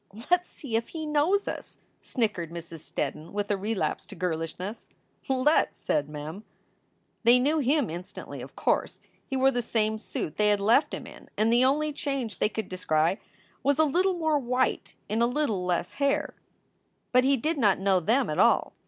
"Let s see if he knows us," snickered Mrs. Steddon, with a relapse to girlishness. "Let s!" said Mem. They knew him instantly, of course. He wore the same suit they had left him in, and the only change they could descry was a little more white in a little less hair. But he did not know them at all.